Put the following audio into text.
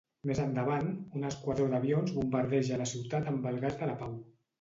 Més endavant, un esquadró d'avions bombardeja la ciutat amb el gas de la pau.